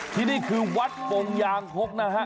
ที่นี่คือวัดปงยางคกนะฮะ